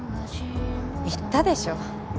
言ったでしょ。